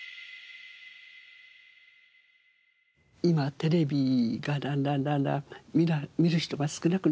今テレビがだんだんだんだん見る人が少なくなってるとかね